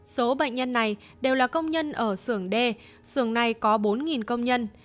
số bệnh nhân này đều là công nhân ở sưởng d xưởng này có bốn công nhân